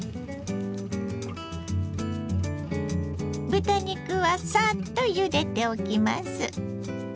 豚肉はさっとゆでておきます。